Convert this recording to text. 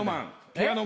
ピアノ。